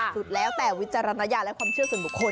สุดแล้วแต่วิจารณญาณและความเชื่อส่วนบุคคล